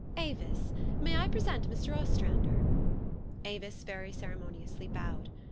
" Avis, may I present Mr. Ostrander? " Avis very ceremoniously bowed.